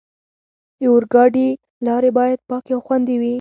د اورګاډي لارې باید پاکې او خوندي وي.